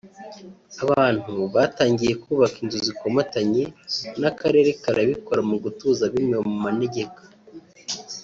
abantu batangiye kubaka inzu zikomatanye n’akarere karabikora mu gutuza abimuwe mu manegeka